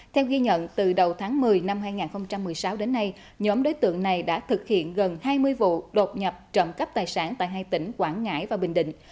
theo ghi nhận từ đầu tháng một mươi năm hai nghìn một mươi sáu đến nay nhóm đối tượng này đã thực hiện gần hai mươi vụ đột nhập trộm cắp tài sản tại hai tỉnh quảng ngãi và bình định